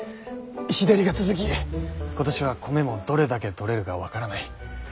日照りが続き今年は米もどれだけ取れるか分からない。